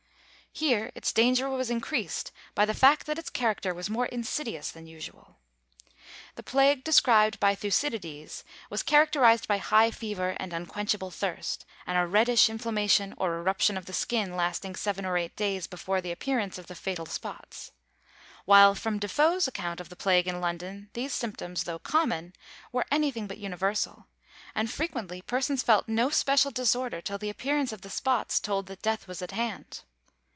Here its danger was increased by the fact that its character was more insidious than usual. The plague described by Thucydides was characterized by high fever and unquenchable thirst, and a reddish inflammation or eruption of the skin lasting seven or eight days before the appearance of the fatal spots; while from Defoe's account of the plague in London, these symptoms, though common, were anything but universal; and frequently persons felt no special disorder till the appearance of the spots told that death was at hand.